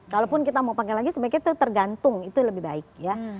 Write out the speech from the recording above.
kalaupun kita mau pakai lagi sebaiknya itu tergantung itu lebih baik ya